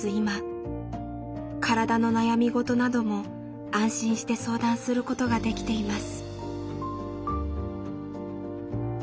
体の悩み事なども安心して相談することができています。